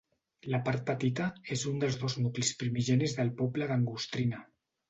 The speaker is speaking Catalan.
La Part Petita és un dels dos nuclis primigenis del poble d'Angostrina.